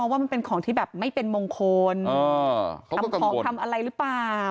ก็มันเป็นของที่แบบไม่เป็นมงคลเออเขาก็กังวลทำของทำอะไรหรือเปล่า